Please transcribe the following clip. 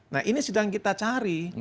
nah ini sedang kita cari